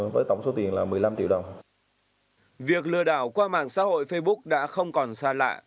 việc lừa đảo qua mạng xã hội facebook đã không còn xa lạ